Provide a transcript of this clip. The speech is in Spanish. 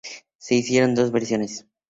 Se hicieron dos versiones.